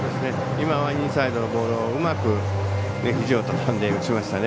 今はインサイドのボールをうまくひじをたたんで投げましたね。